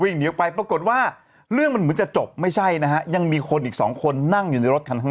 วิ่งตัวไปปรากฏว่าเรื่องมันจะจบไม่ใช่นะยังมีคนอีก๒คนนั่งอยู่ในรถทั้ง